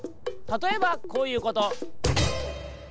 たとえばこういうこと。